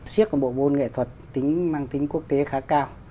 siết của bổ môn nghệ thuật mang tính quốc tế khá cao